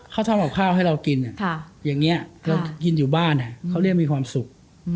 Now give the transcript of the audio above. เขาทำกับข้าวให้เรากินอย่างนี้เรากินอยู่บ้านเขาเรียกมีความสุข